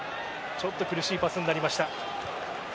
ちょっと苦しいパスになりました。